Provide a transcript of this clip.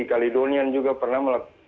kalidonian juga pernah